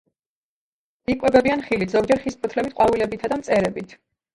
იკვებებიან ხილით, ზოგჯერ ხის ფოთლებით, ყვავილებითა და მწერებით.